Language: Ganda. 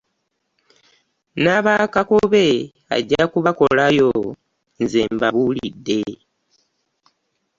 N'abakakobe ajja kubakolayo nze mbabulidde .